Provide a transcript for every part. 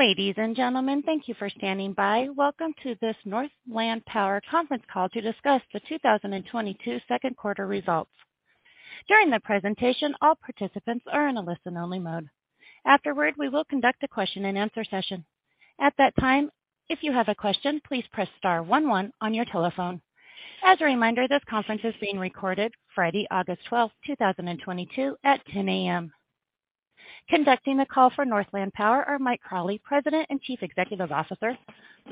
Ladies and gentlemen, thank you for standing by. Welcome to this Northland Power conference call to discuss the 2022 second quarter results. During the presentation, all participants are in a listen-only mode. Afterward, we will conduct a question-and-answer session. At that time, if you have a question, please press star one one on your telephone. As a reminder, this conference is being recorded Friday, August 12, 2022, at 10 A.M. Conducting the call for Northland Power are Mike Crawley, President and Chief Executive Officer,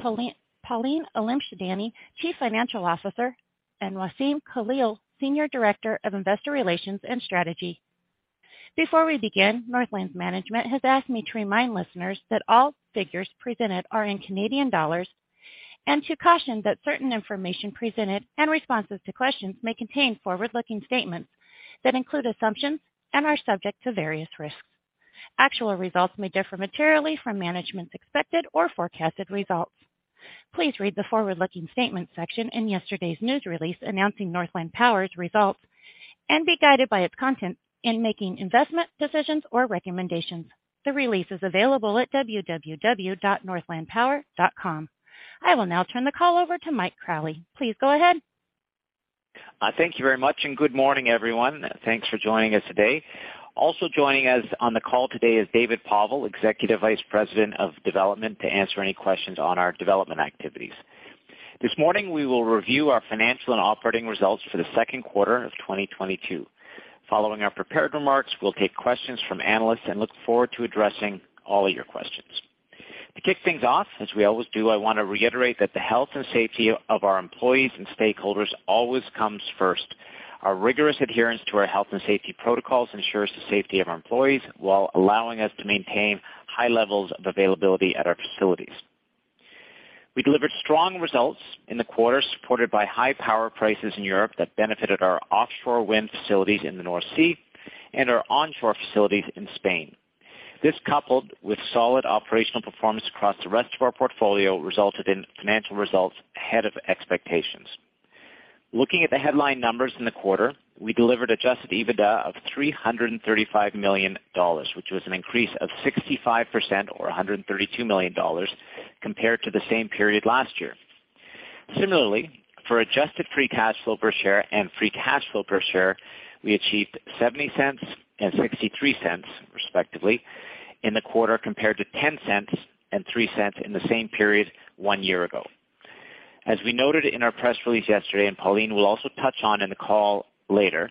Pauline Alimchandani, Chief Financial Officer, and Wassem Khalil, Senior Director of Investor Relations and Strategy. Before we begin, Northland's management has asked me to remind listeners that all figures presented are in Canadian dollars and to caution that certain information presented and responses to questions may contain forward-looking statements that include assumptions and are subject to various risks. Actual results may differ materially from management's expected or forecasted results. Please read the forward-looking statements section in yesterday's news release announcing Northland Power's results and be guided by its content in making investment decisions or recommendations. The release is available at www.northlandpower.com. I will now turn the call over to Mike Crawley. Please go ahead. Thank you very much, and good morning, everyone. Thanks for joining us today. Also joining us on the call today is David Povall, Executive Vice President, Development, to answer any questions on our development activities. This morning, we will review our financial and operating results for the second quarter of 2022. Following our prepared remarks, we'll take questions from analysts and look forward to addressing all of your questions. To kick things off, as we always do, I want to reiterate that the health and safety of our employees and stakeholders always comes first. Our rigorous adherence to our health and safety protocols ensures the safety of our employees while allowing us to maintain high levels of availability at our facilities. We delivered strong results in the quarter, supported by high power prices in Europe that benefited our offshore wind facilities in the North Sea and our onshore facilities in Spain. This, coupled with solid operational performance across the rest of our portfolio, resulted in financial results ahead of expectations. Looking at the headline numbers in the quarter, we delivered Adjusted EBITDA of $335 million, which was an increase of 65% or $132 million compared to the same period last year. Similarly, for Adjusted Free Cash Flow per share and Free Cash Flow per share, we achieved $0.70 and $0.63, respectively, in the quarter compared to $0.10 and $0.03 in the same period one year ago. As we noted in our press release yesterday, and Pauline will also touch on in the call later,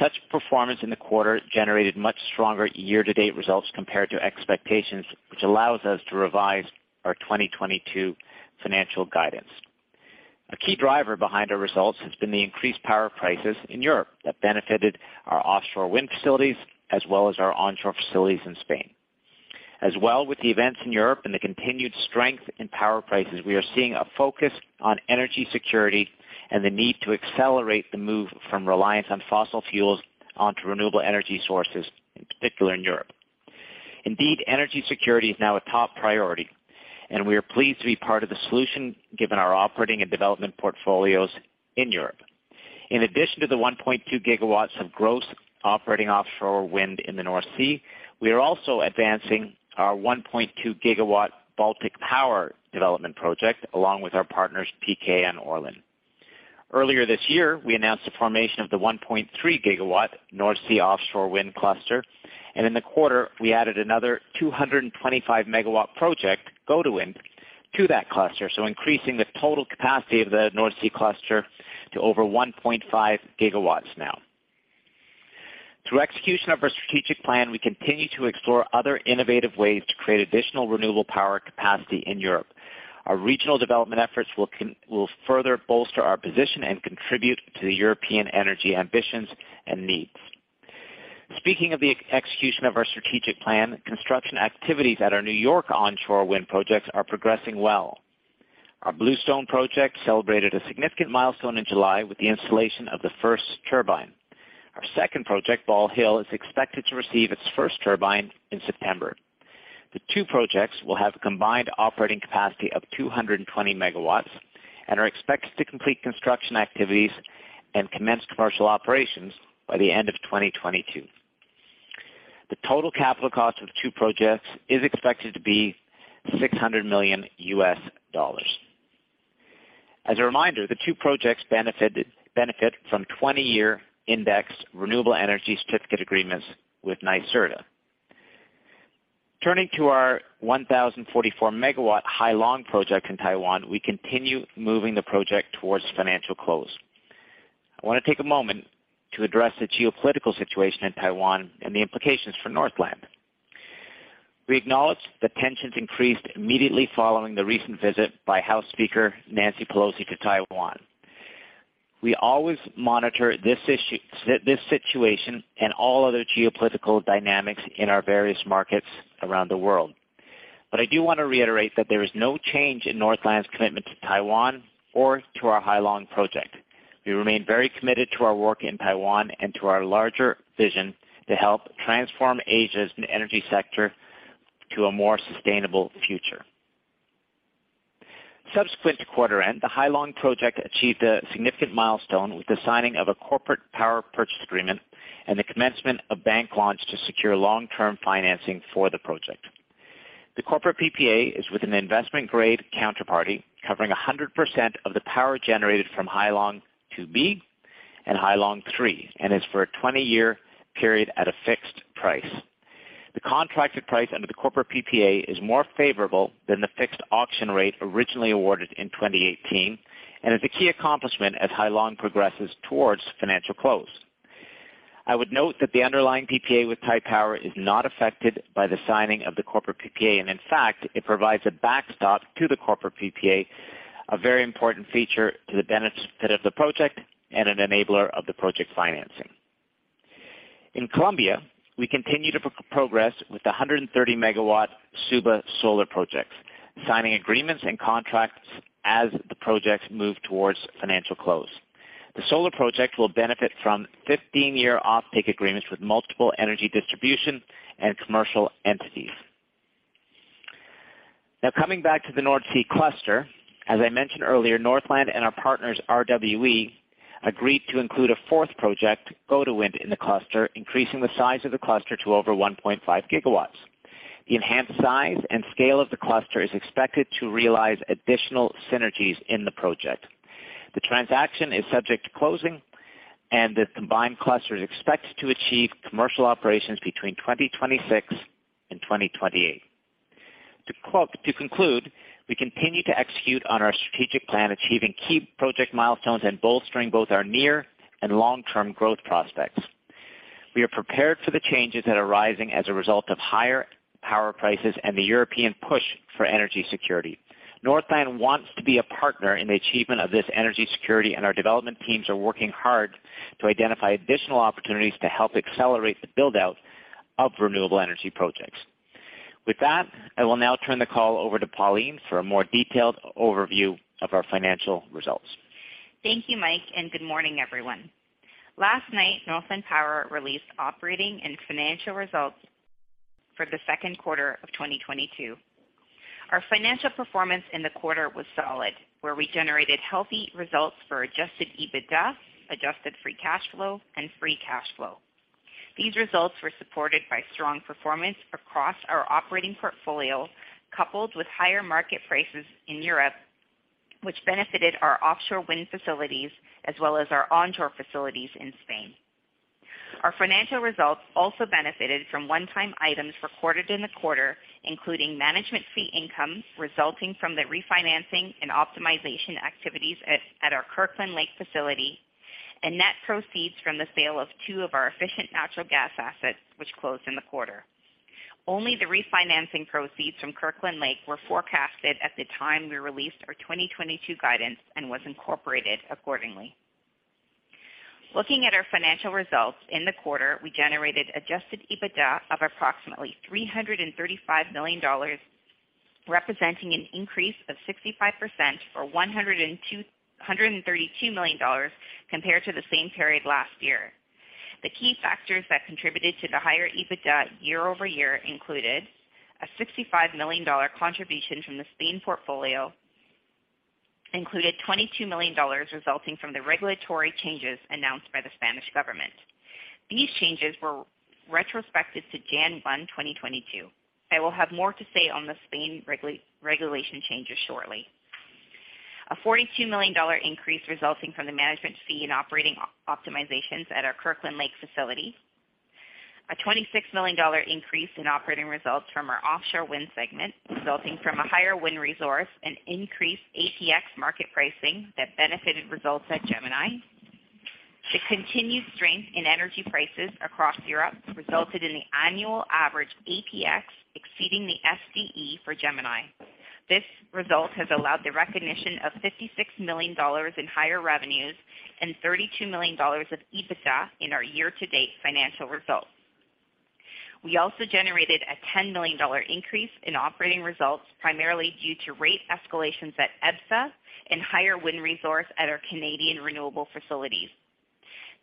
such performance in the quarter generated much stronger year-to-date results compared to expectations, which allows us to revise our 2022 financial guidance. A key driver behind our results has been the increased power prices in Europe that benefited our offshore wind facilities as well as our onshore facilities in Spain. As well, with the events in Europe and the continued strength in power prices, we are seeing a focus on energy security and the need to accelerate the move from reliance on fossil fuels onto renewable energy sources, in particular in Europe. Indeed, energy security is now a top priority, and we are pleased to be part of the solution given our operating and development portfolios in Europe. In addition to the 1.2GW of gross operating offshore wind in the North Sea, we are also advancing our 1.2GW Baltic Power development project along with our partners PKN Orlen. Earlier this year, we announced the formation of the 1.3GW North Sea offshore wind cluster, and in the quarter, we added another 225MW project, Gode Wind, to that cluster, so increasing the total capacity of the North Sea cluster to over 1.5GW. Through execution of our strategic plan, we continue to explore other innovative ways to create additional renewable power capacity in Europe. Our regional development efforts will further bolster our position and contribute to the European energy ambitions and needs. Speaking of the execution of our strategic plan, construction activities at our New York onshore wind projects are progressing well. Our Bluestone project celebrated a significant milestone in July with the installation of the first turbine. Our second project, Ball Hill, is expected to receive its first turbine in September. The two projects will have a combined operating capacity of 220MW and are expected to complete construction activities and commence commercial operations by the end of 2022. The total capital cost of the two projects is expected to be $600 million. As a reminder, the two projects benefit from 20-year indexed renewable energy certificate agreements with NYSERDA. Turning to our 1,044MW Hai Long project in Taiwan, we continue moving the project towards financial close. I want to take a moment to address the geopolitical situation in Taiwan and the implications for Northland. We acknowledge that tensions increased immediately following the recent visit by House Speaker Nancy Pelosi to Taiwan. We always monitor this issue, this situation and all other geopolitical dynamics in our various markets around the world. I do want to reiterate that there is no change in Northland's commitment to Taiwan or to our Hai Long project. We remain very committed to our work in Taiwan and to our larger vision to help transform Asia's energy sector to a more sustainable future. Subsequent to quarter end, the Hai Long project achieved a significant milestone with the signing of a corporate power purchase agreement and the commencement of bank launch to secure long-term financing for the project. The corporate PPA is with an investment-grade counterparty, covering 100% of the power generated from Hai Long 2B and Hai Long 3, and is for a 20-year period at a fixed price. The contracted price under the corporate PPA is more favorable than the fixed auction rate originally awarded in 2018, and is a key accomplishment as Hai Long progresses towards financial close. I would note that the underlying PPA with Taipower is not affected by the signing of the corporate PPA, and in fact, it provides a backstop to the corporate PPA, a very important feature to the benefit of the project and an enabler of the project financing. In Colombia, we continue to progress with the 130 MW Suba solar projects, signing agreements and contracts as the projects move towards financial close. The solar project will benefit from 15-year offtake agreements with multiple energy distribution and commercial entities. Now, coming back to the North Sea cluster, as I mentioned earlier, Northland and our partners, RWE, agreed to include a fourth project, Gode Wind, in the cluster, increasing the size of the cluster to over 1.5 GW. The enhanced size and scale of the cluster is expected to realize additional synergies in the project. The transaction is subject to closing, and the combined cluster is expected to achieve commercial operations between 2026 and 2028. To conclude, we continue to execute on our strategic plan, achieving key project milestones and bolstering both our near and long-term growth prospects. We are prepared for the changes that are rising as a result of higher power prices and the European push for energy security. Northland wants to be a partner in the achievement of this energy security, and our development teams are working hard to identify additional opportunities to help accelerate the build-out of renewable energy projects. With that, I will now turn the call over to Pauline for a more detailed overview of our financial results. Thank you, Mike, and good morning, everyone. Last night, Northland Power released operating and financial results for the second quarter of 2022. Our financial performance in the quarter was solid, where we generated healthy results for Adjusted EBITDA, Adjusted Free Cash Flow, and free cash flow. These results were supported by strong performance across our operating portfolio, coupled with higher market prices in Europe, which benefited our offshore wind facilities as well as our onshore facilities in Spain. Our financial results also benefited from one-time items recorded in the quarter, including management fee income resulting from the refinancing and optimization activities at our Kirkland Lake facility, and net proceeds from the sale of two of our efficient natural gas assets which closed in the quarter. Only the refinancing proceeds from Kirkland Lake were forecasted at the time we released our 2022 guidance and was incorporated accordingly. Looking at our financial results in the quarter, we generated adjusted EBITDA of approximately $335 million, representing an increase of 65% or $132 million compared to the same period last year. The key factors that contributed to the higher EBITDA year-over-year included a $ 65 million contribution from the Spain portfolio, including $ 22 million resulting from the regulatory changes announced by the Spanish government. These changes were retrospective to January 1, 2022. I will have more to say on the Spain regulation changes shortly. A $ 42 million increase resulting from the management fee and operating optimizations at our Kirkland Lake facility. A $ 26 million increase in operating results from our offshore wind segment, resulting from a higher wind resource and increased APX market pricing that benefited results at Gemini. The continued strength in energy prices across Europe resulted in the annual average APX exceeding the SDE for Gemini. This result has allowed the recognition of $ 56 million in higher revenues and $ 32 million of EBITDA in our year-to-date financial results. We also generated a $ 10 million increase in operating results, primarily due to rate escalations at EBSA and higher wind resource at our Canadian renewable facilities.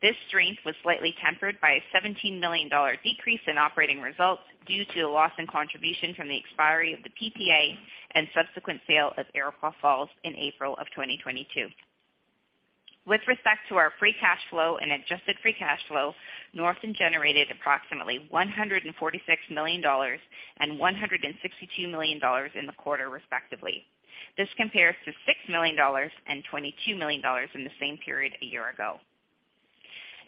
This strength was slightly tempered by a $17 million decrease in operating results due to a loss in contribution from the expiry of the PPA and subsequent sale of Iroquois Falls in April 2022. With respect to our free cash flow and adjusted free cash flow, Northland generated approximately $ 146 million and $ 162 million in the quarter, respectively. This compares to $6 million and $22 million in the same period a year ago.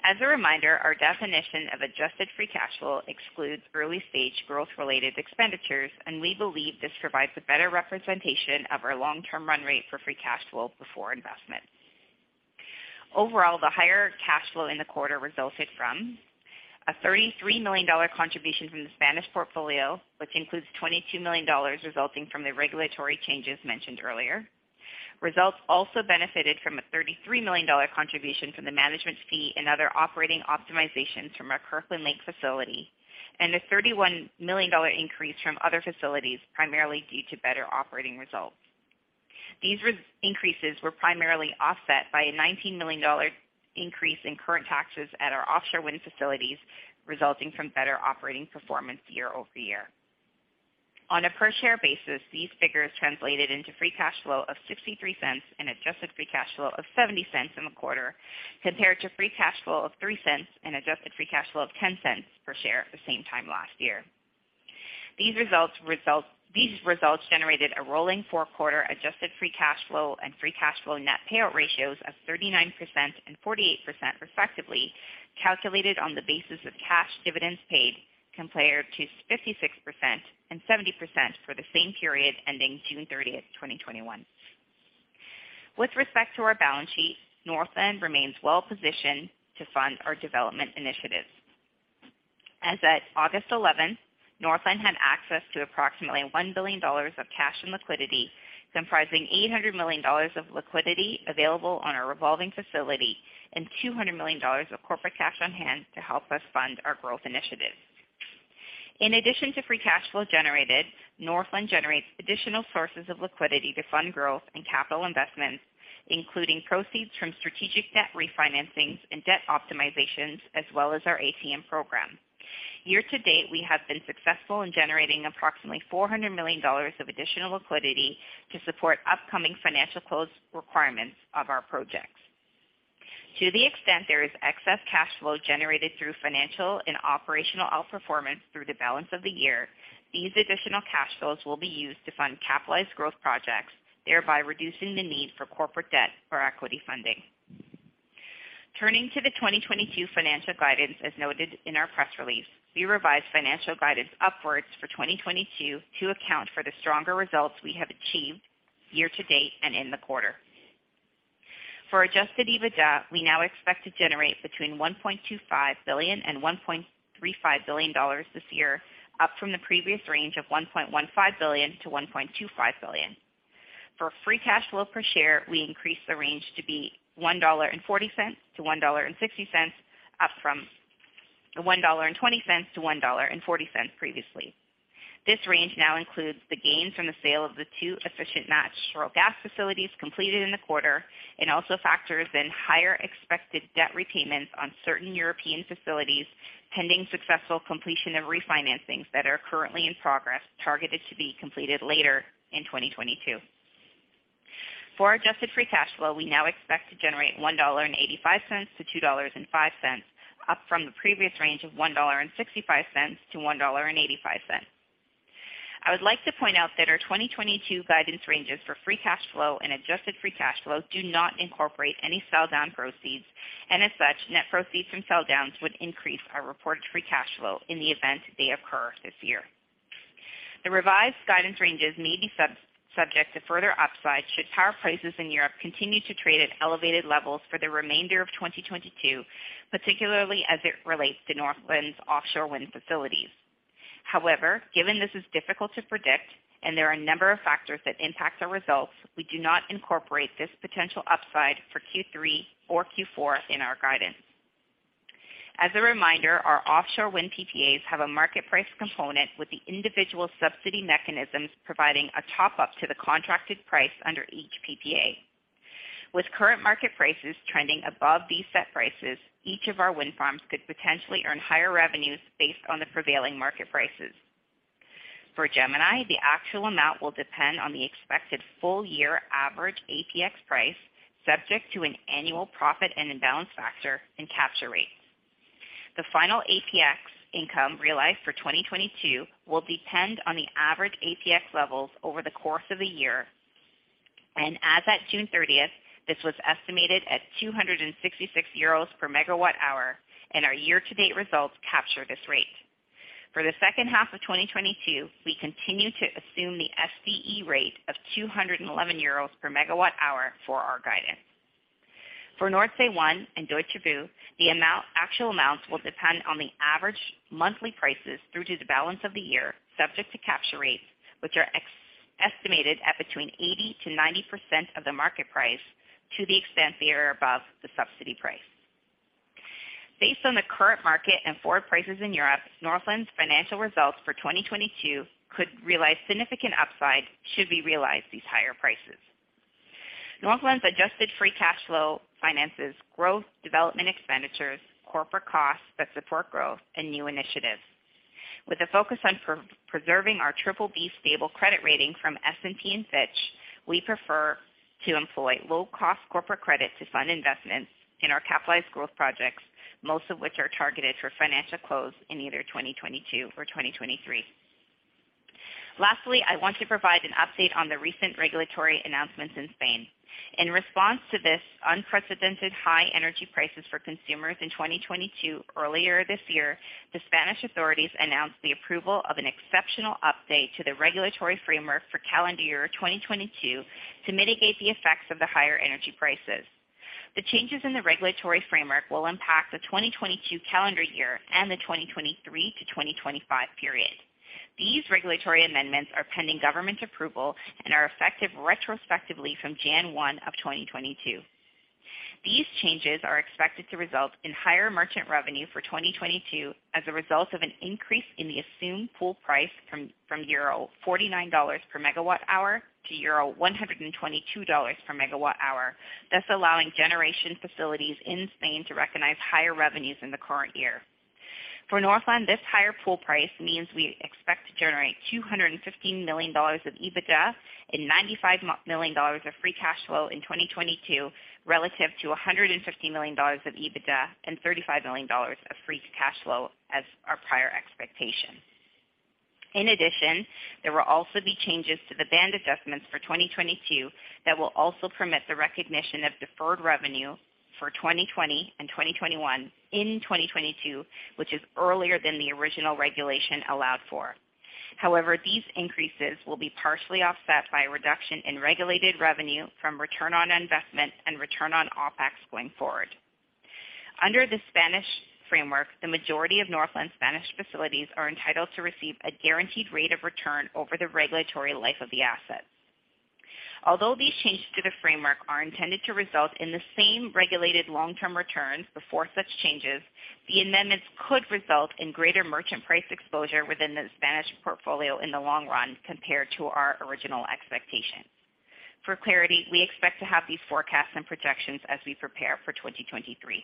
As a reminder, our definition of Adjusted Free Cash Flow excludes early-stage growth-related expenditures, and we believe this provides a better representation of our long-term run rate for Free Cash Flow before investment. Overall, the higher cash flow in the quarter resulted from a $33 million contribution from the Spanish portfolio, which includes $22 million resulting from the regulatory changes mentioned earlier. Results also benefited from a $33 million contribution from the management fee and other operating optimizations from our Kirkland Lake facility, and a $31 million increase from other facilities, primarily due to better operating results. These increases were primarily offset by a $19 million increase in current taxes at our offshore wind facilities, resulting from better operating performance year-over-year. On a per share basis, these figures translated into free cash flow of $0.63 and adjusted free cash flow of $0.70 in the quarter, compared to free cash flow of $0.03 and adjusted free cash flow of $0.10 per share at the same time last year. These results generated a rolling 4-quarter adjusted free cash flow and free cash flow net payout ratios of 39% and 48% respectively, calculated on the basis of cash dividends paid, compared to 56% and 70% for the same period ending June 30, 2021. With respect to our balance sheet, Northland remains well-positioned to fund our development initiatives. As at August 11, Northland had access to approximately $1 billion of cash and liquidity, comprising $800 million of liquidity available on our revolving facility and $200 million of corporate cash on hand to help us fund our growth initiatives. In addition to free cash flow generated, Northland generates additional sources of liquidity to fund growth and capital investments, including proceeds from strategic debt refinancings and debt optimizations, as well as our ATM program. Year-to-date, we have been successful in generating approximately $400 million of additional liquidity to support upcoming financial close requirements of our projects. To the extent there is excess cash flow generated through financial and operational outperformance through the balance of the year, these additional cash flows will be used to fund capitalized growth projects, thereby reducing the need for corporate debt or equity funding. Turning to the 2022 financial guidance, as noted in our press release, we revised financial guidance upwards for 2022 to account for the stronger results we have achieved year-to-date and in the quarter. For Adjusted EBITDA, we now expect to generate between $1.25 billion and $ 1.35 billion this year, up from the previous range of $ 1.15 to 1.25 billion. For free cash flow per share, we increased the range to be $1.40 to $1.60, up from $1.20 to $1.40 previously. This range now includes the gains from the sale of the two efficient natural gas facilities completed in the quarter, and also factors in higher expected debt repayments on certain European facilities, pending successful completion of refinancings that are currently in progress, targeted to be completed later in 2022. For our Adjusted Free Cash Flow, we now expect to generate $1.85 to $2.05, up from the previous range of $1.65 to $1.85. I would like to point out that our 2022 guidance ranges for free cash flow and Adjusted Free Cash Flow do not incorporate any sell down proceeds, and as such, net proceeds from sell downs would increase our reported free cash flow in the event they occur this year. The revised guidance ranges may be subject to further upside should power prices in Europe continue to trade at elevated levels for the remainder of 2022, particularly as it relates to Northland's offshore wind facilities. However, given this is difficult to predict and there are a number of factors that impact our results, we do not incorporate this potential upside for Q3 or Q4 in our guidance. As a reminder, our offshore wind PPAs have a market price component with the individual subsidy mechanisms providing a top-up to the contracted price under each PPA. With current market prices trending above these set prices, each of our wind farms could potentially earn higher revenues based on the prevailing market prices. For Gemini, the actual amount will depend on the expected full year average APX price, subject to an annual profit and imbalance factor and capture rate. The final APX income realized for 2022 will depend on the average APX levels over the course of the year. As at June 30, this was estimated at 266 euros per MW hour, and our year-to-date results capture this rate. For the second half of 2022, we continue to assume the SDE rate of 211 euros per MW hour for our guidance. For Nordsee One and Deutsche Bucht, the actual amounts will depend on the average monthly prices through to the balance of the year, subject to capture rates, which are estimated at between 80%-90% of the market price to the extent they are above the subsidy price. Based on the current market and forward prices in Europe, Northland's financial results for 2022 could realize significant upside should we realize these higher prices. Northland's adjusted free cash flow finances growth, development expenditures, corporate costs that support growth, and new initiatives. With a focus on preserving our BBB stable credit rating from S&P and Fitch, we prefer to employ low-cost corporate credit to fund investments in our capitalized growth projects, most of which are targeted for financial close in either 2022 or 2023. Lastly, I want to provide an update on the recent regulatory announcements in Spain. In response to this unprecedented high energy prices for consumers in 2022, earlier this year, the Spanish authorities announced the approval of an exceptional update to the regulatory framework for calendar year 2022 to mitigate the effects of the higher energy prices. The changes in the regulatory framework will impact the 2022 calendar year and the 2023-2025 period. These regulatory amendments are pending government approval and are effective retrospectively from January 1, 2022. These changes are expected to result in higher merchant revenue for 2022 as a result of an increase in the assumed pool price from euro 49 per MW hour to euro 122 per MW hour, thus allowing generation facilities in Spain to recognize higher revenues in the current year. For Northland, this higher pool price means we expect to generate $215 million of EBITDA and $95 million of free cash flow in 2022, relative to $150 million of EBITDA and $35 million of free cash flow as our prior expectation. In addition, there will also be changes to the band adjustments for 2022 that will also permit the recognition of deferred revenue for 2020 and 2021 in 2022, which is earlier than the original regulation allowed for. However, these increases will be partially offset by a reduction in regulated revenue from return on investment and return on OpEx going forward. Under the Spanish framework, the majority of Northland's Spanish facilities are entitled to receive a guaranteed rate of return over the regulatory life of the asset. Although these changes to the framework are intended to result in the same regulated long-term returns before such changes, the amendments could result in greater merchant price exposure within the Spanish portfolio in the long run compared to our original expectation. For clarity, we expect to have these forecasts and projections as we prepare for 2023.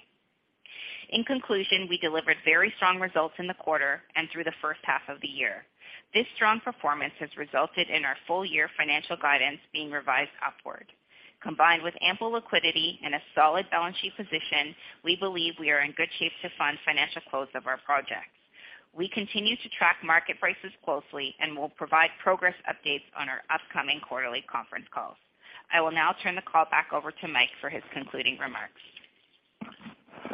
In conclusion, we delivered very strong results in the quarter and through the first half of the year. This strong performance has resulted in our full year financial guidance being revised upward. Combined with ample liquidity and a solid balance sheet position, we believe we are in good shape to fund financial close of our projects. We continue to track market prices closely and will provide progress updates on our upcoming quarterly conference calls. I will now turn the call back over to Mike for his concluding remarks.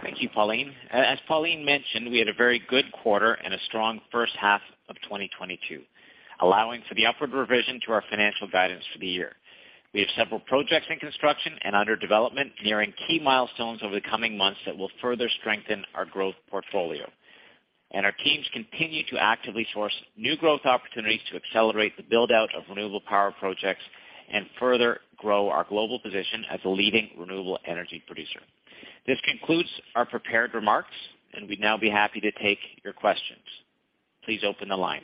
Thank you, Pauline. As Pauline mentioned, we had a very good quarter and a strong first half of 2022, allowing for the upward revision to our financial guidance for the year. We have several projects in construction and under development nearing key milestones over the coming months that will further strengthen our growth portfolio. Our teams continue to actively source new growth opportunities to accelerate the build-out of renewable power projects and further grow our global position as a leading renewable energy producer. This concludes our prepared remarks, and we'd now be happy to take your questions. Please open the line.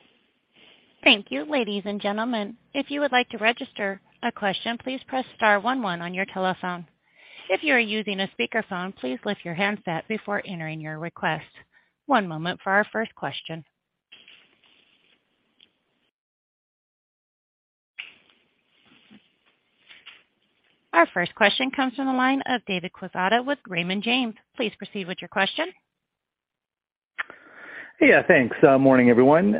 Thank you, ladies and gentlemen. If you would like to register a question, please press star one one on your telephone. If you are using a speakerphone, please lift your handset before entering your request. One moment for our first question. Our first question comes from the line of David Quezada with Raymond James, please proceed with your question. Yeah, thanks. Morning, everyone.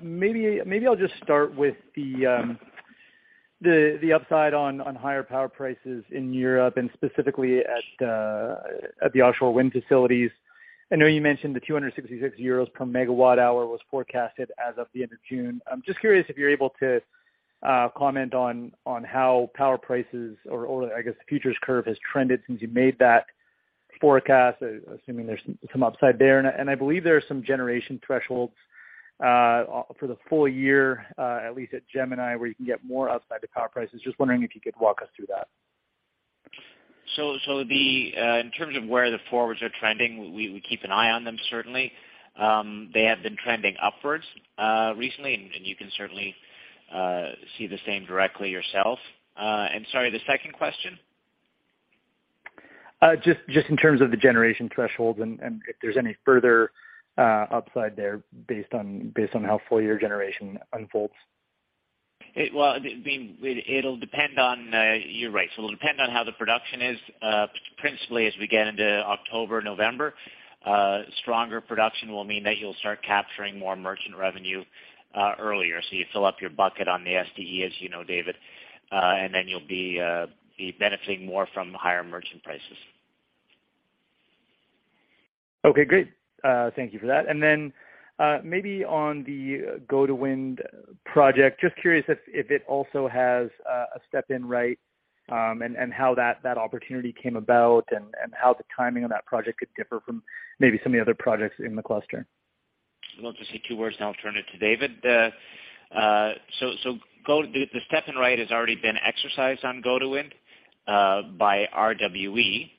Maybe I'll just start with the upside on higher power prices in Europe and specifically at the offshore wind facilities. I know you mentioned the 266 euros per MW hour was forecasted as of the end of June. I'm just curious if you're able to comment on how power prices or I guess the futures curve has trended since you made that forecast. Assuming there's some upside there. I believe there are some generation thresholds for the full year, at least at Gemini, where you can get more upside to power prices. Just wondering if you could walk us through that. In terms of where the forwards are trending, we keep an eye on them certainly. They have been trending upwards recently, and you can certainly see the same directly yourself. Sorry, the second question? Just in terms of the generation thresholds and if there's any further upside there based on how full year generation unfolds. Well, I mean, you're right. It'll depend on how the production is, principally as we get into October, November. Stronger production will mean that you'll start capturing more merchant revenue, earlier. You fill up your bucket on the SDE, as you know, David, and then you'll be benefiting more from higher merchant prices. Okay, great. Thank you for that. Maybe on the Gode Wind project, just curious if it also has a step-in right, and how that opportunity came about and how the timing on that project could differ from maybe some of the other projects in the cluster. Well, just say two words, and I'll turn it to David. The step-in right has already been exercised on Gode Wind by RWE.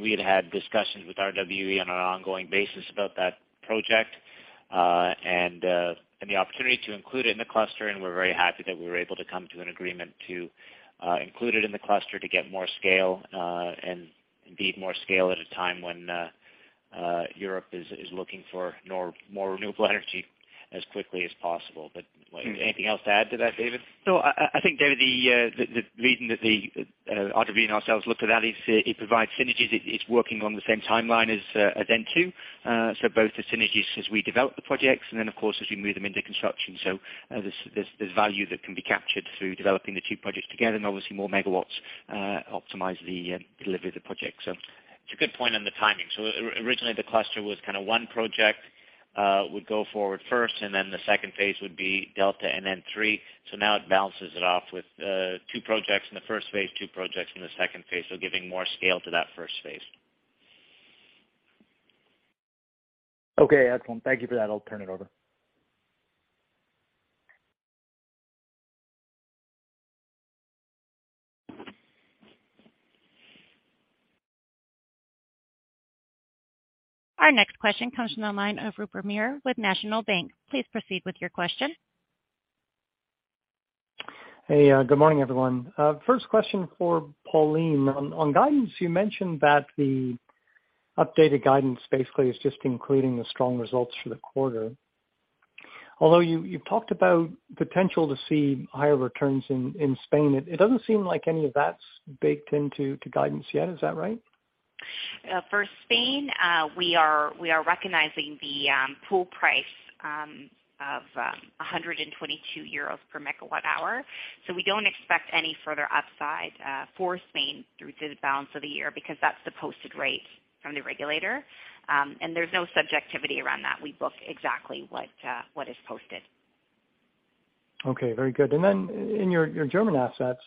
We had discussions with RWE on an ongoing basis about that project, and the opportunity to include it in the cluster, and we're very happy that we were able to come to an agreement to include it in the cluster to get more scale, and indeed more scale at a time when Europe is looking for more renewable energy as quickly as possible. Anything else to add to that, David? No, I think, David, the reason that the RWE and ourselves looked at that is it provides synergies. It's working on the same timeline as N2. Both the synergies as we develop the projects and then, of course, as we move them into construction. There's value that can be captured through developing the two projects together, and obviously more megawatts optimize the delivery of the project. It's a good point on the timing. Originally, the cluster was kinda one project, would go forward first, and then the second phase would be Delta and N3. Now it balances it off with two projects in the first phase, two projects in the second phase. Giving more scale to that first phase. Okay, excellent. Thank you for that. I'll turn it over. Our next question comes from the line of Rupert Merer with National Bank. Please proceed with your question. Hey, good morning, everyone. First question for Pauline. On guidance, you mentioned that the updated guidance basically is just including the strong results for the quarter. Although you talked about potential to see higher returns in Spain, it doesn't seem like any of that's baked into guidance yet. Is that right? For Spain, we are recognizing the full price of 122 euros per MW hour. We don't expect any further upside for Spain through to the balance of the year because that's the posted rate from the regulator. There's no subjectivity around that. We book exactly what is posted. Okay, very good. In your German assets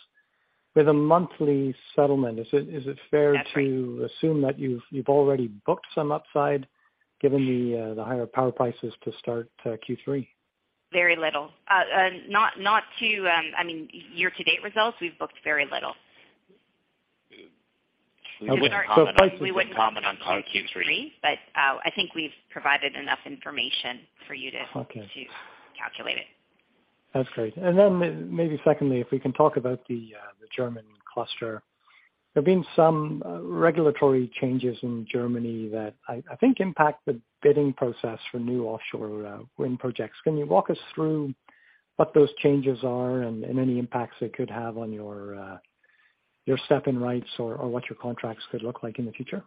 with a monthly settlement, is it fair- That's right. To assume that you've already booked some upside given the higher power prices to start Q3? Very little. I mean, year-to-date results, we've booked very little. Okay. Prices. We wouldn't comment on Q3, but I think we've provided enough information for you to. Okay. to calculate it. That's great. Maybe secondly, if we can talk about the German cluster. There've been some regulatory changes in Germany that I think impact the bidding process for new offshore wind projects. Can you walk us through what those changes are and any impacts it could have on your step-in rights or what your contracts could look like in the future?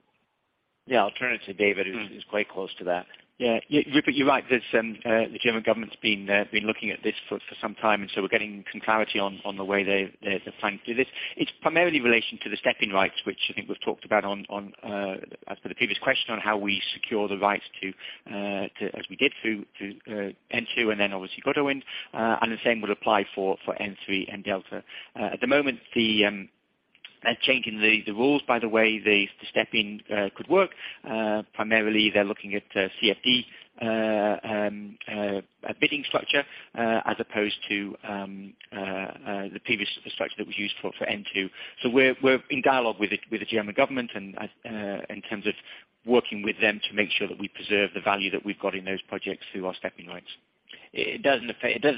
Yeah. I'll turn it to David, who's quite close to that. Yeah. Yeah, Rupert, you're right. There's some, the German government's been looking at this for some time, and so we're getting some clarity on the way they're planning to do this. It's primarily in relation to the step-in rights, which I think we've talked about on as for the previous question on how we secure the rights to as we did through N2, and then obviously Gode Wind, and the same would apply for N3 and Delta Nordsee. At the moment a change in the rules by the way the step-in could work. Primarily they're looking at CFD, a bidding structure as opposed to the previous structure that was used for N2. We're in dialogue with the German government and, in terms of working with them to make sure that we preserve the value that we've got in those projects through our step-in rights. It doesn't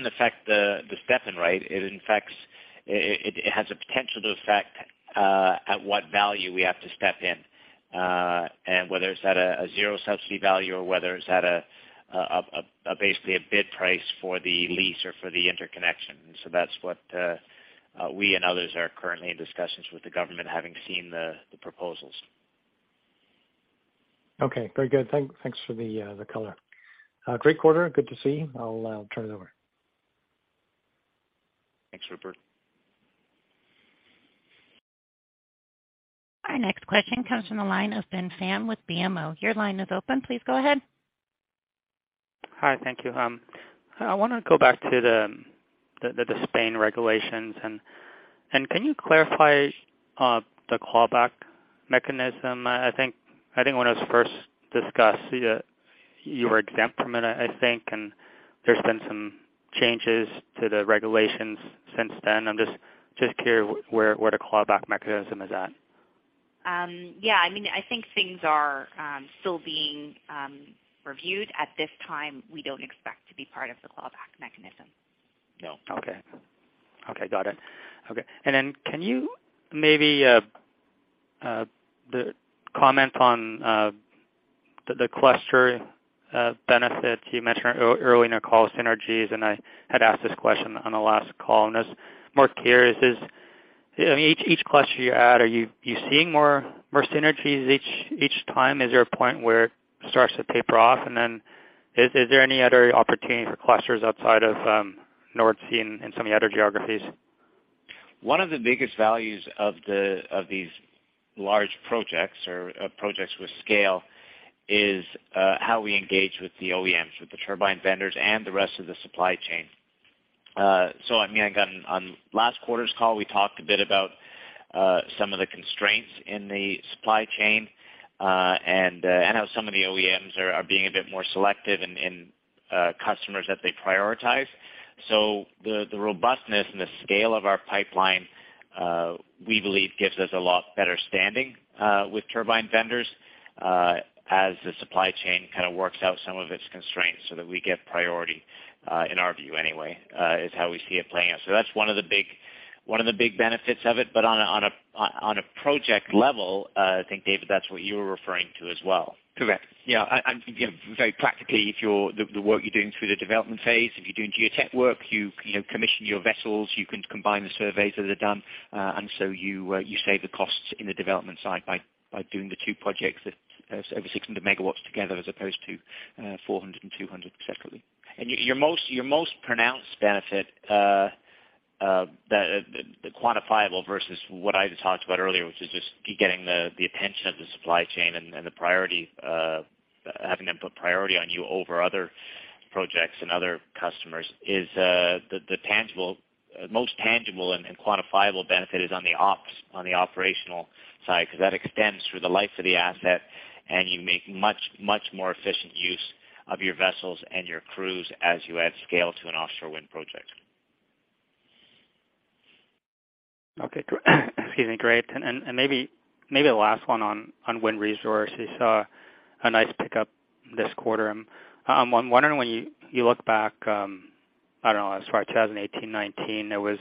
affect the step-in right. It has a potential to affect at what value we have to step in, and whether it's at a zero subsidy value or whether it's basically at a bid price for the lease or for the interconnection. That's what we and others are currently in discussions with the government, having seen the proposals. Okay. Very good. Thanks for the color. Great quarter. Good to see. I'll turn it over. Thanks, Rupert. Our next question comes from the line of Ben Pham with BMO. Your line is open. Please go ahead. Hi. Thank you. I want to go back to the Spanish regulations and can you clarify the clawback mechanism? I think when it was first discussed, you were exempt from it, I think, and there's been some changes to the regulations since then. I'm just curious where the clawback mechanism is at. Yeah, I mean, I think things are still being reviewed. At this time, we don't expect to be part of the clawback mechanism. No. Okay. Okay, got it. Okay. Can you maybe comment on the cluster benefits you mentioned earlier in our call synergies, and I had asked this question on the last call, and I was more curious is each cluster you add, are you seeing more synergies each time? Is there a point where it starts to taper off? Is there any other opportunity for clusters outside of North Sea and some of the other geographies? One of the biggest values of these large projects or projects with scale is how we engage with the OEMs, with the turbine vendors and the rest of the supply chain. I mean, on last quarter's call, we talked a bit about some of the constraints in the supply chain and how some of the OEMs are being a bit more selective in customers that they prioritize. The robustness and the scale of our pipeline we believe gives us a lot better standing with turbine vendors as the supply chain kind of works out some of its constraints so that we get priority in our view anyway is how we see it playing out. That's one of the big benefits of it. On a project level, I think, David, that's what you were referring to as well. Correct. Yeah. You know, very practically, the work you're doing through the development phase, if you're doing geotech work, you know, commission your vessels, you can combine the surveys that are done, and so you save the costs in the development side by doing the two projects so over 600 MW together as opposed to 400 and 200 separately. Your most pronounced benefit, the quantifiable versus what I just talked about earlier, which is just getting the attention of the supply chain and the priority, having them put priority on you over other projects and other customers, is the most tangible and quantifiable benefit on the operational side, because that extends through the life of the asset, and you make much more efficient use of your vessels and your crews as you add scale to an offshore wind project. Maybe the last one on wind resource. You saw a nice pickup this quarter. I'm wondering when you look back, I don't know, as far as 2018, 2019, there was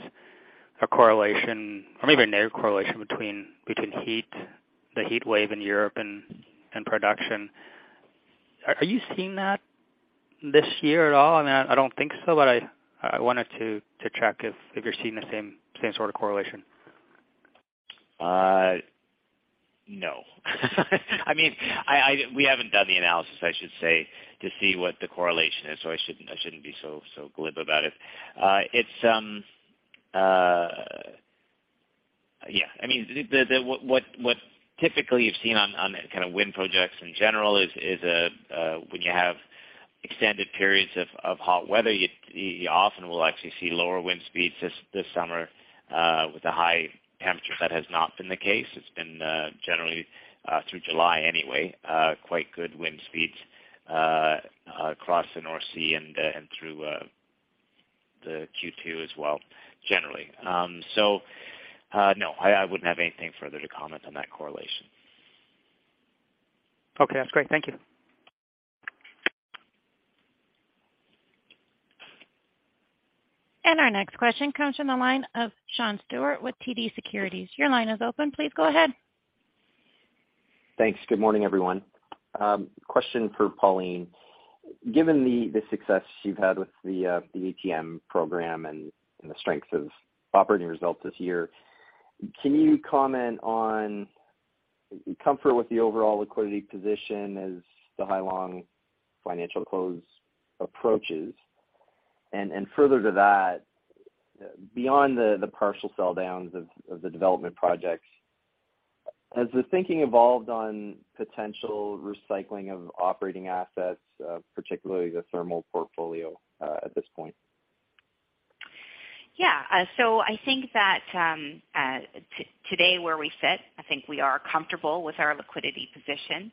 a correlation or maybe a negative correlation between the heat wave in Europe and production. Are you seeing that this year at all? I mean, I don't think so, but I wanted to check if you're seeing the same sort of correlation. No. I mean, we haven't done the analysis, I should say, to see what the correlation is, so I shouldn't be so glib about it. Yeah. I mean, typically you've seen on kind of wind projects in general is when you have extended periods of hot weather, you often will actually see lower wind speeds this summer with the high temperatures. That has not been the case. It's been generally through July anyway quite good wind speeds across the North Sea and through the Q2 as well, generally. No, I wouldn't have anything further to comment on that correlation. Okay, that's great. Thank you. Our next question comes from the line of Sean Steuart with TD Securities. Your line is open. Please go ahead. Thanks. Good morning, everyone. Question for Pauline. Given the success you've had with the ATM program and the strength of operating results this year, can you comment on comfort with the overall liquidity position as the Hai Long financial close approaches? Further to that, beyond the partial sell downs of the development projects, has the thinking evolved on potential recycling of operating assets, particularly the thermal portfolio, at this point? I think that today where we sit, I think we are comfortable with our liquidity position,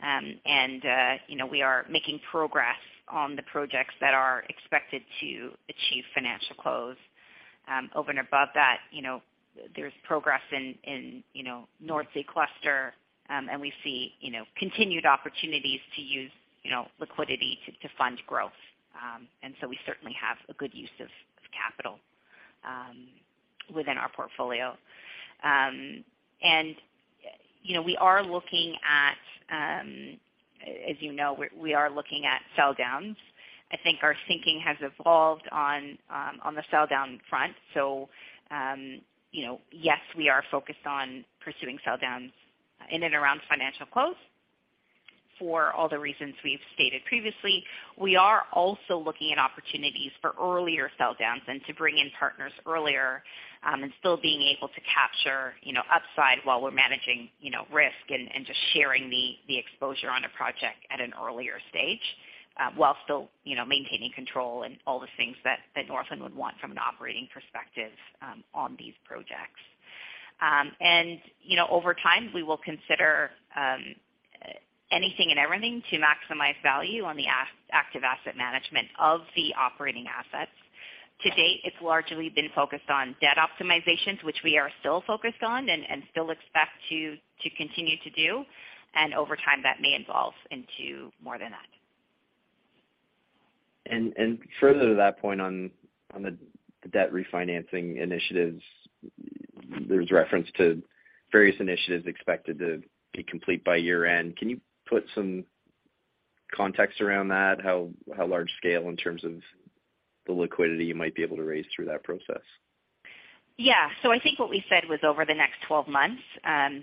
and you know, we are making progress on the projects that are expected to achieve financial close. Over and above that, you know, there's progress in, you know, North Sea cluster, and we see, you know, continued opportunities to use, you know, liquidity to fund growth. We certainly have a good use of capital within our portfolio. You know, we are looking at. As you know, we are looking at sell downs. I think our thinking has evolved on the sell down front. You know, yes, we are focused on pursuing sell downs in and around financial close for all the reasons we've stated previously. We are also looking at opportunities for earlier sell downs and to bring in partners earlier, and still being able to capture, you know, upside while we're managing, you know, risk and just sharing the exposure on a project at an earlier stage, while still, you know, maintaining control and all the things that Northland would want from an operating perspective, on these projects. You know, over time, we will consider anything and everything to maximize value on the active asset management of the operating assets. To date, it's largely been focused on debt optimizations, which we are still focused on and still expect to continue to do, and over time, that may evolve into more than that. Further to that point on the debt refinancing initiatives, there's reference to various initiatives expected to be complete by year-end. Can you put some context around that? How large scale in terms of the liquidity you might be able to raise through that process? Yeah. I think what we said was over the next 12 months,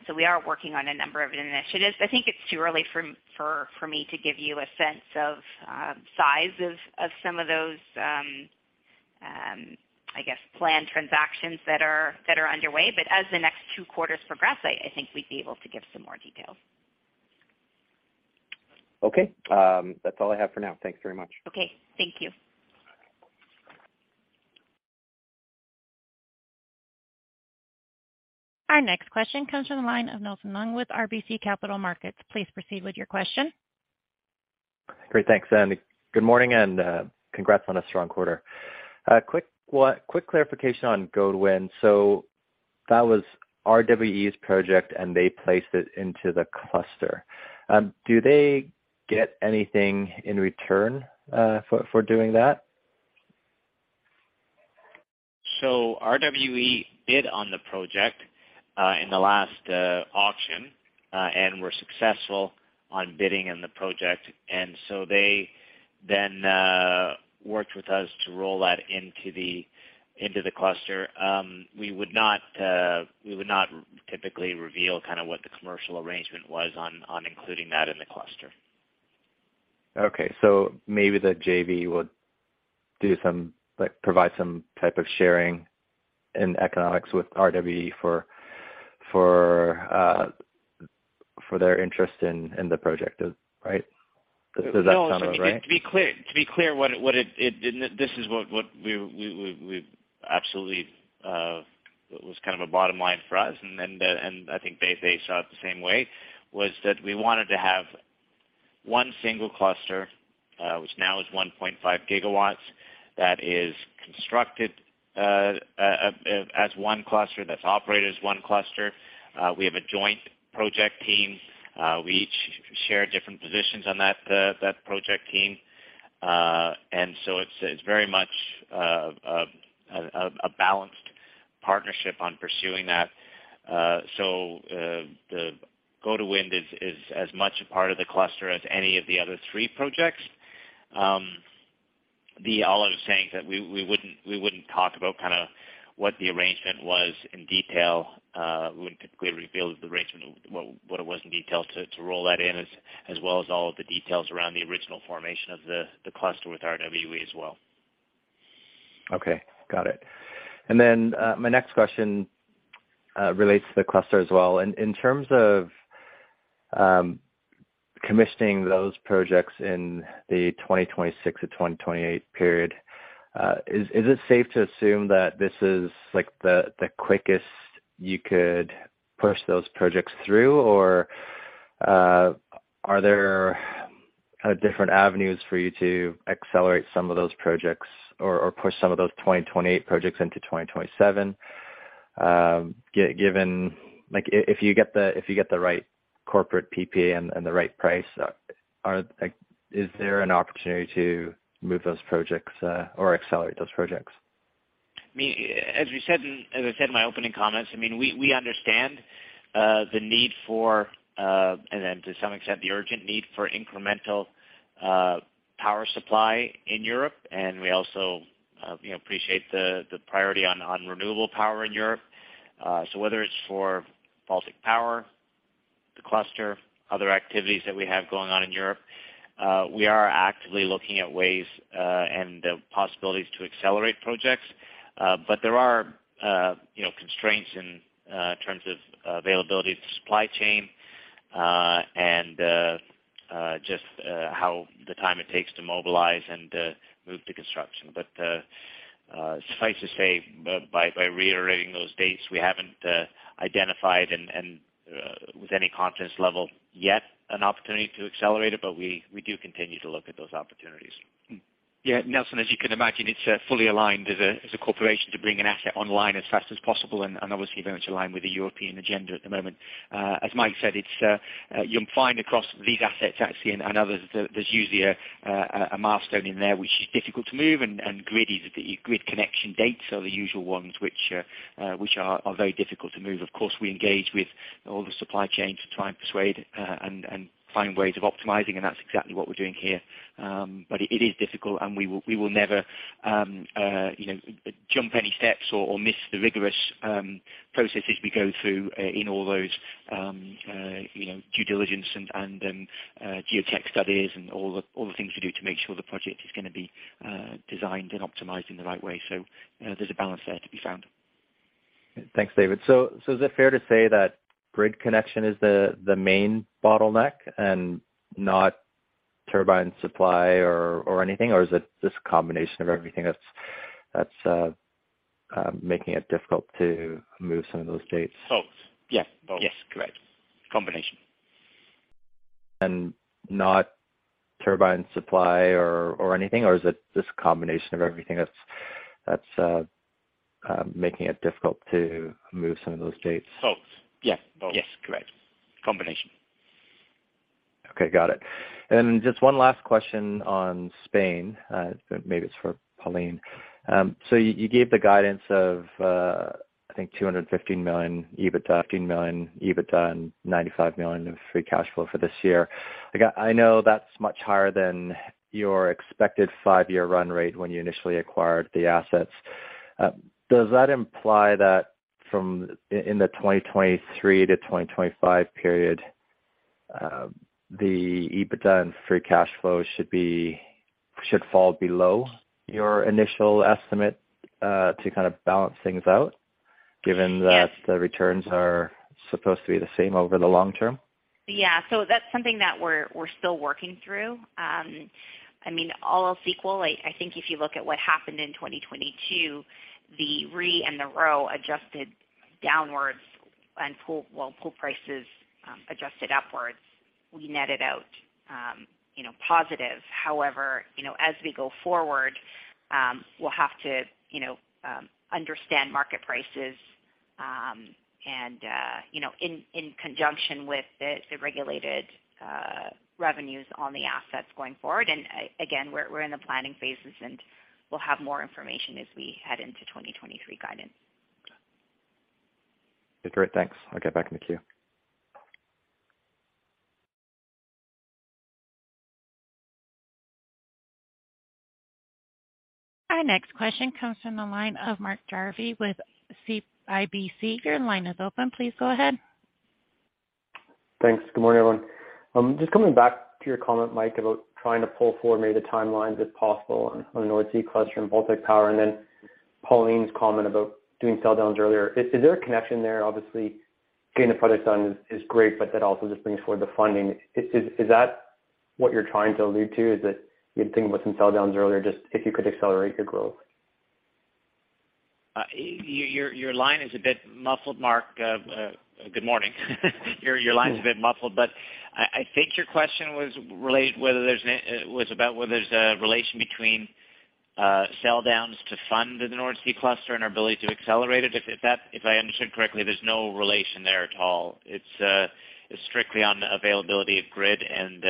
so we are working on a number of initiatives. I think it's too early for me to give you a sense of size of some of those, I guess planned transactions that are underway. As the next 2 quarters progress, I think we'd be able to give some more details. Okay. That's all I have for now. Thanks very much. Okay. Thank you. Our next question comes from the line of Nelson Ng with RBC Capital Markets. Please proceed with your question. Great. Thanks. Good morning, and congrats on a strong quarter. Quick clarification on Gode Wind. That was RWE's project, and they placed it into the cluster. Do they get anything in return, for doing that? RWE bid on the project in the last auction and were successful on bidding in the project. They then worked with us to roll that into the cluster. We would not typically reveal kind of what the commercial arrangement was on including that in the cluster. Maybe the JV would do some, like, provide some type of sharing in economics with RWE for their interest in the project, right? Does that sound about right? No. To be clear, this is what we absolutely was kind of a bottom line for us, and then, and I think they saw it the same way, was that we wanted to have One single cluster, which now is 1.5 gigawatts that is constructed, as one cluster, that's operated as one cluster. We have a joint project team. We each share different positions on that project team. It's very much a balanced partnership on pursuing that. The Gode Wind is as much a part of the cluster as any of the other three projects. That's all I was saying is that we wouldn't talk about kind of what the arrangement was in detail. We wouldn't typically reveal the arrangement of what it was in detail to roll that in as well as all of the details around the original formation of the cluster with RWE as well. Okay. Got it. My next question relates to the cluster as well. In terms of commissioning those projects in the 2026-2028 period, is it safe to assume that this is like the quickest you could push those projects through? Or are there kind of different avenues for you to accelerate some of those projects or push some of those 2028 projects into 2027? Given like if you get the right Corporate PPA and the right price, like is there an opportunity to move those projects or accelerate those projects? I mean, as I said in my opening comments, I mean, we understand the need for and to some extent the urgent need for incremental power supply in Europe. We also, you know, appreciate the priority on renewable power in Europe. Whether it's for Baltic Power, the cluster, other activities that we have going on in Europe, we are actively looking at ways and the possibilities to accelerate projects. There are, you know, constraints in terms of availability to supply chain and just how the time it takes to mobilize and move to construction. Suffice to say, by reiterating those dates, we haven't identified and with any confidence level yet an opportunity to accelerate it, but we do continue to look at those opportunities. Yeah. Nelson, as you can imagine, it's fully aligned as a corporation to bring an asset online as fast as possible and obviously very much aligned with the European agenda at the moment. As Mike said, it's you'll find across these assets actually and others, there's usually a milestone in there which is difficult to move, and grid connection dates are the usual ones which are very difficult to move. Of course, we engage with all the supply chains to try and persuade and find ways of optimizing, and that's exactly what we're doing here. It is difficult, and we will never, you know, jump any steps or miss the rigorous processes we go through in all those, you know, due diligence and geotech studies and all the things we do to make sure the project is gonna be designed and optimized in the right way. There's a balance there to be found. Thanks, David. So is it fair to say that grid connection is the main bottleneck and not turbine supply or anything? Or is it just a combination of everything that's making it difficult to move some of those dates? Both. Yeah. Both. Yes, correct. Combination. Not turbine supply or anything, or is it just a combination of everything that's making it difficult to move some of those dates? Both. Yeah. Both. Yes, correct. Combination. Okay. Got it. Just one last question on Spain, maybe it's for Pauline. So you gave the guidance of, I think $ 215 million EBITDA, $ 15 million EBITDA, and $ 95 million of free cash flow for this year. Again, I know that's much higher than your expected five-year run rate when you initially acquired the assets. Does that imply that from 2023 to 2025 period, the EBITDA and free cash flow should fall below your initial estimate, to kind of balance things out, given that- Yes The returns are supposed to be the same over the long term? Yeah. That's something that we're still working through. I mean, all else equal, I think if you look at what happened in 2022, the RE and the RO adjusted downwards and pool prices adjusted upwards. We netted out, you know, positive. However, you know, as we go forward, we'll have to, you know, understand market prices, and you know in conjunction with the regulated revenues on the assets going forward. Again, we're in the planning phases, and we'll have more information as we head into 2023 guidance. Okay. Great. Thanks. I'll get back in the queue. Our next question comes from the line of Mark Jarvi with CIBC. Your line is open. Please go ahead. Thanks. Good morning, everyone. Just coming back to your comment, Mike, about trying to pull forward maybe the timelines if possible on the North Sea cluster and Baltic Power, and then Pauline's comment about doing sell downs earlier. Is there a connection there? Obviously, getting the projects done is great, but that also just brings forward the funding. Is that what you're trying to allude to is that you're thinking about some sell downs earlier, just if you could accelerate your growth? Your line is a bit muffled, Mark. Good morning. Your line's a bit muffled, but I think your question was about whether there's a relation between sell downs to fund the North Sea cluster and our ability to accelerate it. If I understood correctly, there's no relation there at all. It's strictly on the availability of grid and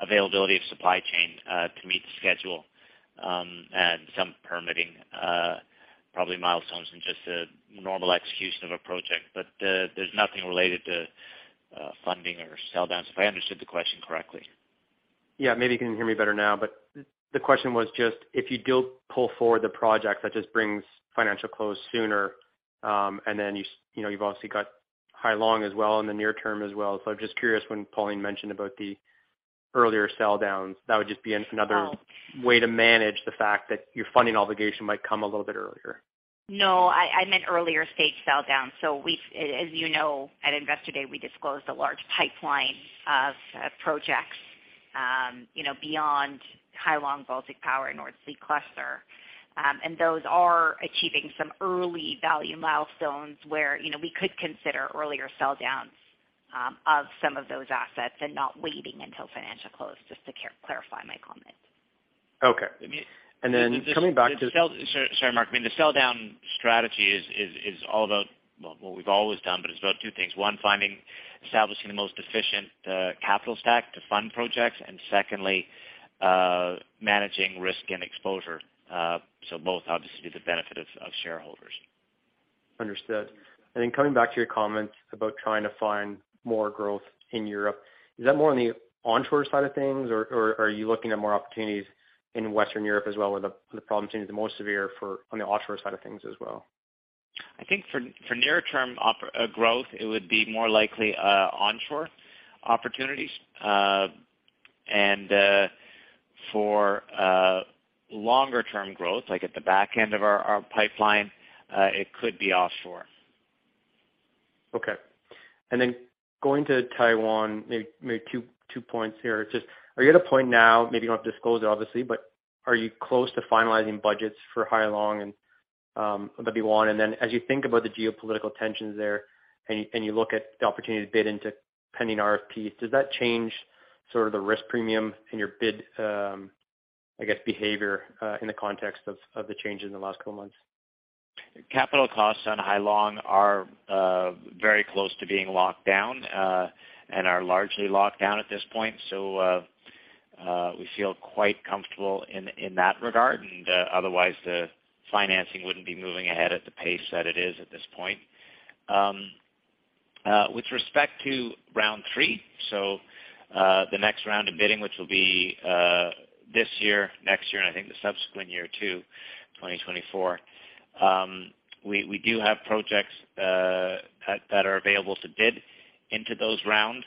availability of supply chain to meet the schedule, and some permitting probably milestones and just a normal execution of a project. There's nothing related to funding or sell downs, if I understood the question correctly. Yeah. Maybe you can hear me better now. The question was just if you do pull forward the project, that just brings financial close sooner, and then you know, you've obviously got Hai Long as well in the near term as well. I'm just curious, when Pauline mentioned about the earlier sell downs, that would just be another way to manage the fact that your funding obligation might come a little bit earlier. No, I meant earlier stage sell down. As you know, at Investor Day, we disclosed a large pipeline of projects, you know, beyond Hai Long, Baltic Power, North Sea cluster. Those are achieving some early value milestones where, you know, we could consider earlier sell downs of some of those assets and not waiting until financial close, just to clarify my comment. Okay. Coming back to. Sorry, Mark. I mean, the sell down strategy is all about, well, what we've always done, but it's about two things. One, establishing the most efficient capital stack to fund projects, and secondly, managing risk and exposure. Both obviously to the benefit of shareholders. Understood. Coming back to your comments about trying to find more growth in Europe, is that more on the onshore side of things, or are you looking at more opportunities in Western Europe as well, where the problem seems the most severe for on the offshore side of things as well? I think for near term growth it would be more likely and for longer term growth like at the back end of our pipeline it could be offshore. Okay. Then going to Taiwan, maybe two points here. Just are you at a point now, maybe you don't have to disclose it, obviously, but are you close to finalizing budgets for Hai Long, and that'd be one. Then as you think about the geopolitical tensions there and you look at the opportunity to bid into pending RFPs, does that change sort of the risk premium in your bid, I guess, behavior, in the context of the changes in the last couple months? Capital costs on Hai Long are very close to being locked down and are largely locked down at this point. We feel quite comfortable in that regard. Otherwise the financing wouldn't be moving ahead at the pace that it is at this point. With respect to Round Three, the next round of bidding, which will be this year, next year, and I think the subsequent year too, 2024, we do have projects that are available to bid into those rounds.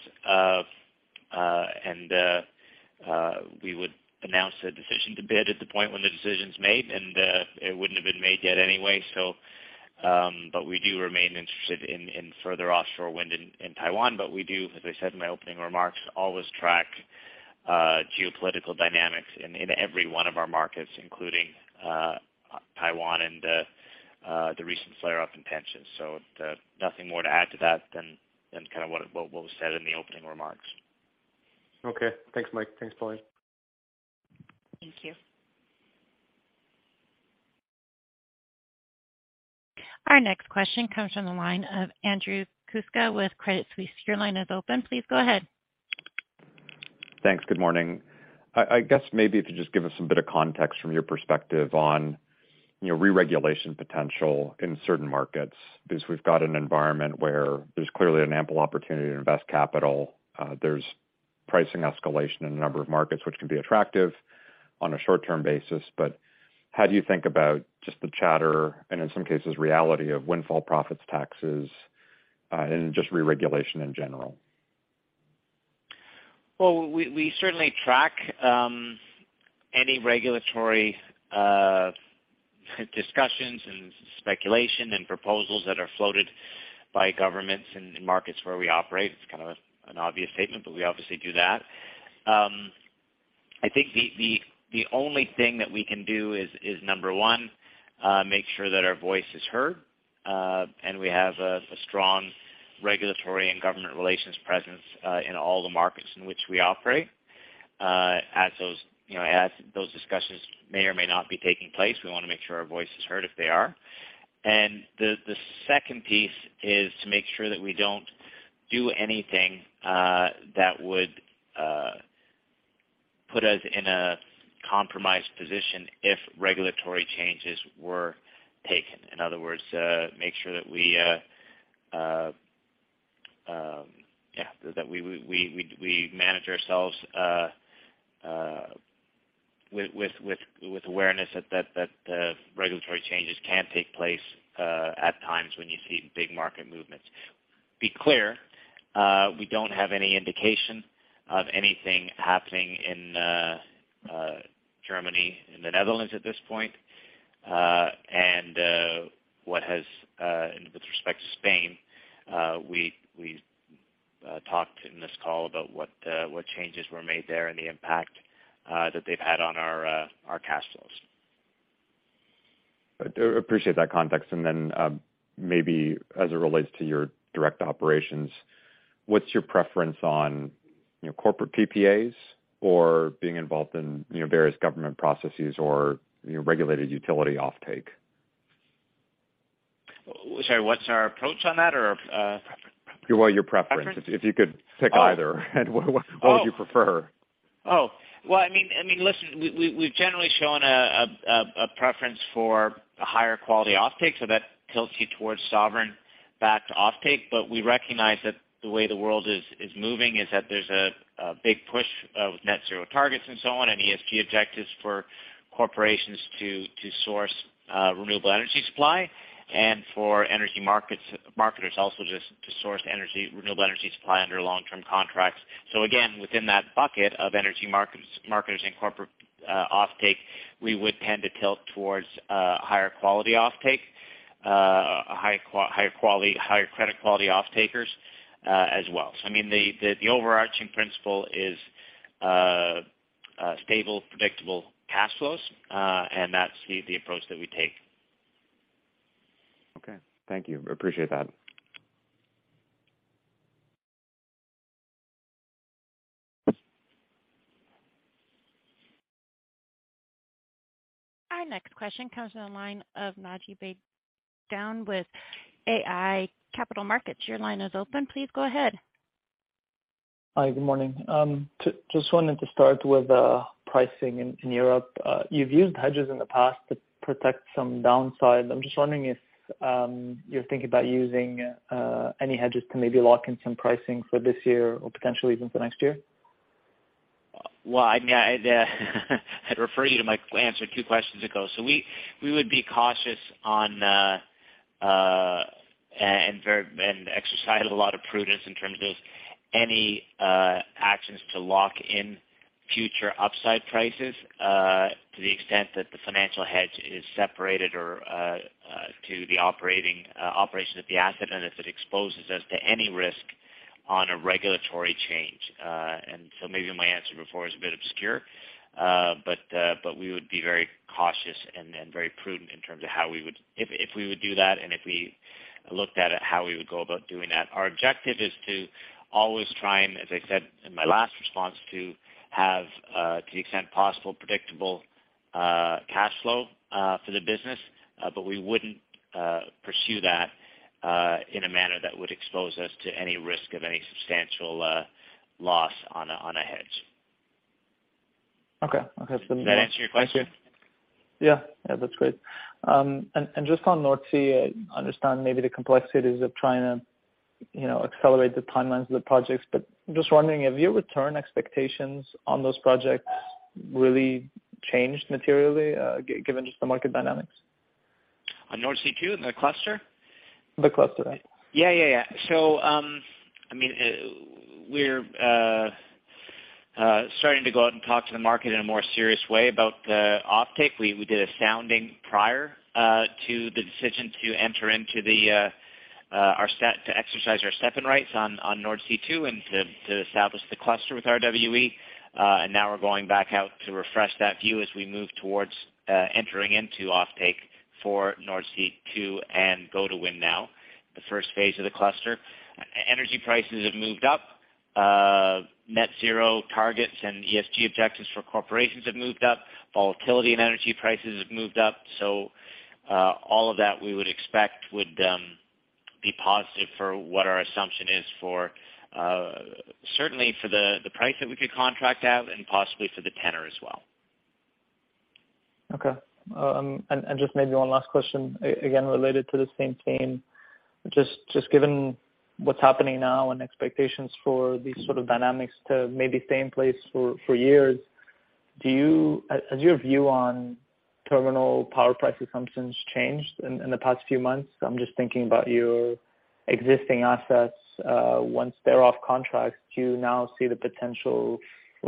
We would announce a decision to bid at the point when the decision's made, and it wouldn't have been made yet anyway. We do remain interested in further offshore wind in Taiwan. We do, as I said in my opening remarks, always track geopolitical dynamics in every one of our markets, including Taiwan and the recent flare up in tensions. Nothing more to add to that than kind of what was said in the opening remarks. Okay. Thanks, Mike. Thanks, Pauline. Thank you. Our next question comes from the line of Andrew Kuska with Credit Suisse. Your line is open. Please go ahead. Thanks. Good morning. I guess maybe if you just give us some bit of context from your perspective on, you know, re-regulation potential in certain markets, because we've got an environment where there's clearly an ample opportunity to invest capital. There's pricing escalation in a number of markets, which can be attractive on a short-term basis. But how do you think about just the chatter and in some cases reality of windfall profits taxes, and just re-regulation in general? Well, we certainly track any regulatory discussions and speculation and proposals that are floated by governments in markets where we operate. It's kind of an obvious statement, but we obviously do that. I think the only thing that we can do is number one, make sure that our voice is heard and we have a strong regulatory and government relations presence in all the markets in which we operate. As those, you know, as those discussions may or may not be taking place, we wanna make sure our voice is heard if they are. The second piece is to make sure that we don't do anything that would put us in a compromised position if regulatory changes were taken. In other words, make sure that we Yeah, that we manage ourselves with awareness that regulatory changes can take place at times when you see big market movements. To be clear, we don't have any indication of anything happening in Germany and the Netherlands at this point. With respect to Spain, we talked in this call about what changes were made there and the impact that they've had on our cash flows. I appreciate that context. Maybe as it relates to your direct operations, what's your preference on, you know, Corporate PPAs or being involved in, you know, various government processes or, you know, regulated utility offtake? Sorry, what's our approach on that or? Preference. Preference? Well, your preference. If you could pick either and what would you prefer? I mean, listen, we've generally shown a preference for a higher quality offtake, so that tilts you towards sovereign-backed offtake. We recognize that the way the world is moving is that there's a big push of net zero targets and so on, and ESG objectives for corporations to source renewable energy supply and for energy marketers also just to source renewable energy supply under long-term contracts. Again, within that bucket of energy marketers and corporate offtake, we would tend to tilt towards higher quality offtake, higher quality, higher credit quality offtakers, as well. I mean, the overarching principle is stable, predictable cash flows, and that's the approach that we take. Okay. Thank you. Appreciate that. Our next question comes from the line of Naji Baydoun with iA Capital Markets. Your line is open. Please go ahead. Hi, good morning. Just wanted to start with pricing in Europe. You've used hedges in the past to protect some downside. I'm just wondering if you're thinking about using any hedges to maybe lock in some pricing for this year or potentially even for next year. Well, I'd refer you to my answer two questions ago. We would be cautious and exercise a lot of prudence in terms of any actions to lock in future upside prices to the extent that the financial hedge is separated or to the operations of the asset, and if it exposes us to any risk on a regulatory change. Maybe my answer before is a bit obscure. We would be very cautious and then very prudent in terms of how we would do that. If we would do that and if we looked at it, how we would go about doing that. Our objective is to always try and, as I said in my last response, to have, to the extent possible, predictable cash flow for the business. We wouldn't pursue that in a manner that would expose us to any risk of any substantial loss on a hedge. Okay. Does that answer your question? Yeah. Yeah, that's great. And just on North Sea, I understand maybe the complexities of trying to, you know, accelerate the timelines of the projects. Just wondering, have your return expectations on those projects really changed materially, given just the market dynamics? On Nordsee Two, the cluster? The cluster. Yeah, yeah. I mean, we're starting to go out and talk to the market in a more serious way about the offtake. We did a sounding prior to the decision to enter into to exercise our step-in rights on Nordsee Two and to establish the cluster with RWE. Now we're going back out to refresh that view as we move towards entering into offtake for Nordsee Two and Gode Wind now, the first phase of the cluster. Energy prices have moved up. Net zero targets and ESG objectives for corporations have moved up. Volatility in energy prices have moved up. All of that we would expect would be positive for what our assumption is for, certainly for the price that we could contract out and possibly for the tenor as well. Okay. Just maybe one last question, again, related to the same theme. Just given what's happening now and expectations for these sort of dynamics to maybe stay in place for years, has your view on terminal power price assumptions changed in the past few months? I'm just thinking about your existing assets, once they're off contract, do you now see the potential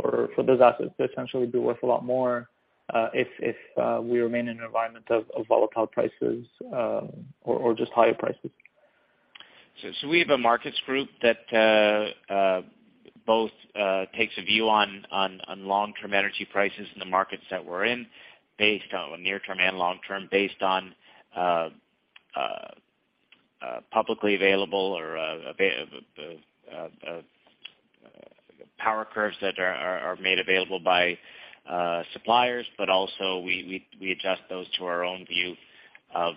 for those assets to potentially be worth a lot more, if we remain in an environment of volatile prices, or just higher prices? We have a markets group that both takes a view on long-term energy prices in the markets that we're in based on near term and long term, based on publicly available power curves that are made available by suppliers. We adjust those to our own view of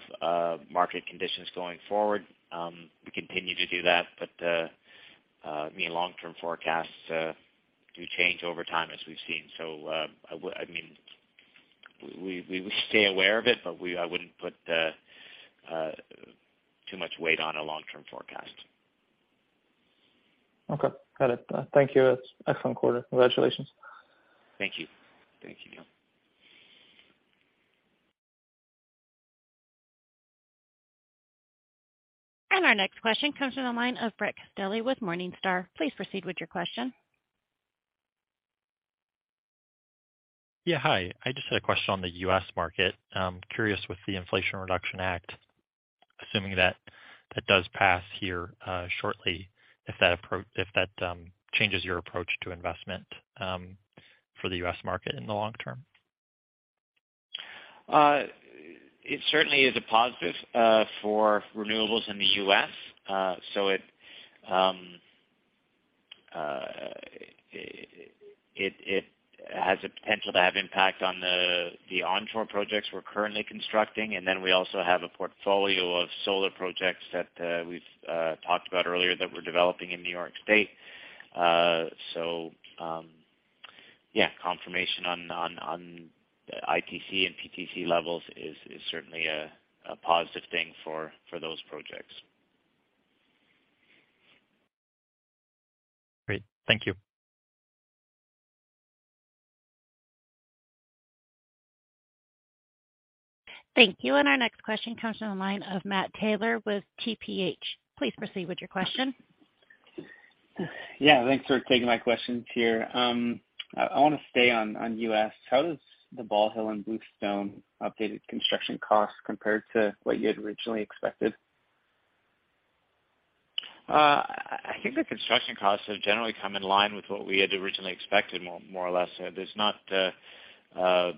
market conditions going forward. We continue to do that, but I mean, long-term forecasts do change over time as we've seen. I mean, we stay aware of it, but I wouldn't put too much weight on a long-term forecast. Okay. Got it. Thank you. Excellent quarter. Congratulations. Thank you. Thank you. Our next question comes from the line of Brett Castelli with Morningstar. Please proceed with your question. Yeah, hi. I just had a question on the U.S. market. I'm curious with the Inflation Reduction Act, assuming that does pass here shortly, if that changes your approach to investment for the U.S. market in the long term. It certainly is a positive for renewables in the US. It has a potential to have impact on the onshore projects we're currently constructing. We also have a portfolio of solar projects that we've talked about earlier that we're developing in New York State. Confirmation on ITC and PTC levels is certainly a positive thing for those projects. Great. Thank you. Thank you. Our next question comes from the line of Matt Taylor with TPH. Please proceed with your question. Yeah, thanks for taking my questions here. I want to stay on U.S. How does the Ball Hill and Bluestone updated construction costs compare to what you had originally expected? I think the construction costs have generally come in line with what we had originally expected more or less. There's not. I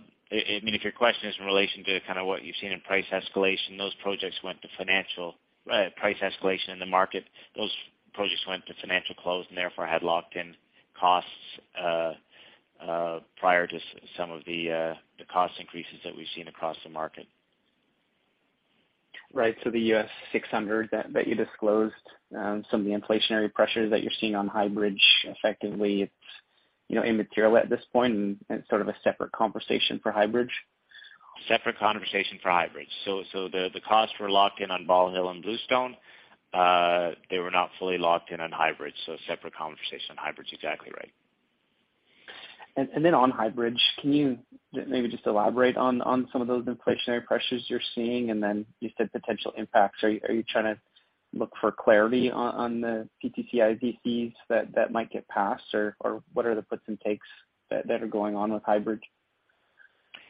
mean, if your question is in relation to kind of what you've seen in price escalation, those projects went to financial close and therefore had locked in costs prior to some of the cost increases that we've seen across the market. Right. The U.S. $600 that you disclosed, some of the inflationary pressures that you're seeing on High Bridge, effectively it's immaterial at this point, and it's sort of a separate conversation for High Bridge. Separate conversation for High Bridge. The costs were locked in on Ball Hill and Bluestone. They were not fully locked in on High Bridge, so separate conversation on High Bridge. Exactly right. On High Bridge, can you maybe just elaborate on some of those inflationary pressures you're seeing? You said potential impacts. Are you trying to look for clarity on the PTC/ITCs that might get passed? Or what are the puts and takes that are going on with High Bridge?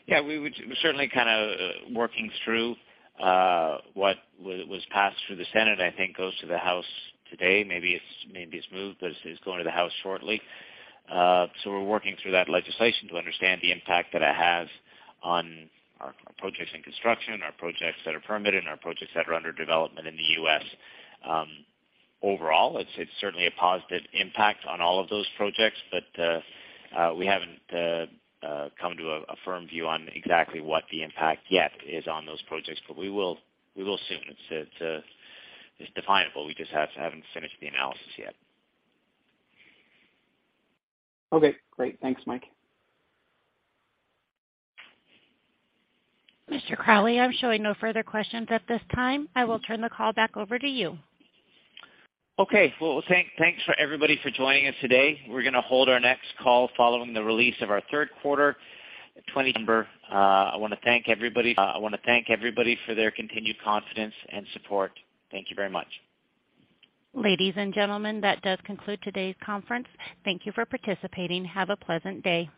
Yeah, we're certainly kind of working through what was passed through the Senate, I think goes to the House today. Maybe it's moved, but it's going to the House shortly. We're working through that legislation to understand the impact that it has on our projects in construction, our projects that are permitted, and our projects that are under development in the U.S. Overall, it's certainly a positive impact on all of those projects. We haven't come to a firm view on exactly what the impact yet is on those projects. We will soon. It's definable. We just haven't finished the analysis yet. Okay, great. Thanks, Mike. Mr. Crawley, I'm showing no further questions at this time. I will turn the call back over to you. Okay. Well, thanks to everybody for joining us today. We're gonna hold our next call following the release of our third quarter 2020 numbers. I wanna thank everybody for their continued confidence and support. Thank you very much. Ladies and gentlemen, that does conclude today's conference. Thank you for participating. Have a pleasant day.